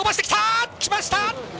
きました！